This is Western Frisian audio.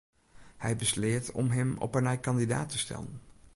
Hy besleat om him op 'e nij kandidaat te stellen.